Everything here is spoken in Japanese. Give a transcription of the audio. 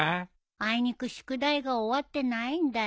あいにく宿題が終わってないんだよ。